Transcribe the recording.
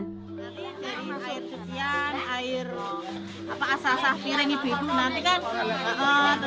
jadi dari air sucian air asal asal piring itu